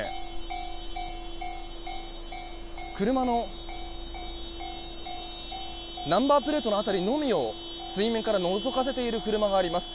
車のナンバープレート辺りのみを水面からのぞかせている車があります。